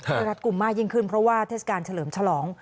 รัดกลุ่มมากยิ่งขึ้นเพราะว่าเทศกาลเฉลิมฉลอง